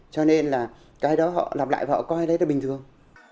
cho nên là cái đó họ lặp lại họ coi đấy là bình thường